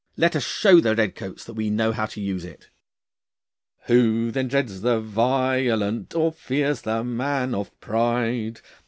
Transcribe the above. Let us show the redcoats that we know how to use it. "Who then dreads the violent, Or fears the man of pride?